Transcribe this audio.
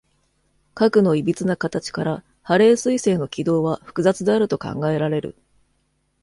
核のいびつな形から、ハレー彗星の軌道は複雑であると考えられる。